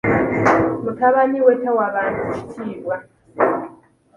Mutabani we tawa bantu kitiibwa.